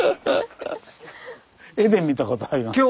絵で見たことあります。